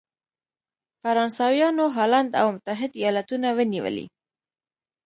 فرانسویانو هالنډ او متحد ایالتونه ونیولې.